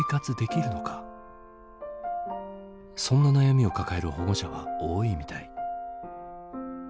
そんな悩みを抱える保護者は多いみたい。